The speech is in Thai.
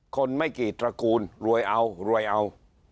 คนไม่กี่ตระกูลรวยเอารวยเอา